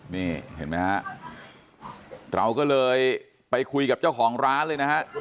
นี่เห็นไหมฮะเราก็เลยไปคุยกับเจ้าของร้านเลยนะฮะ